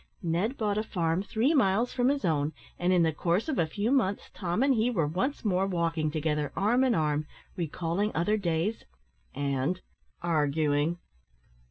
Ned bought a farm three miles from his own, and, in the course of a few months, Tom and he were once more walking together, arm in arm, recalling other days, and arguing.